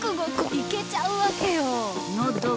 いけちゃうわけよ